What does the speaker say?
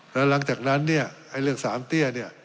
แล้วหลังจากนั้นเนี่ยไอ้เรื่องสามเตี้ยเนี่ย